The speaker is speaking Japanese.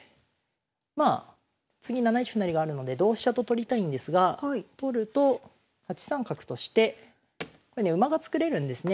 まあ次７一歩成があるので同飛車と取りたいんですが取ると８三角として馬が作れるんですね。